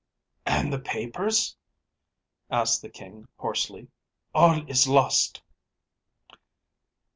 ‚ÄĚ “And the papers?‚ÄĚ asked the King hoarsely. “All is lost.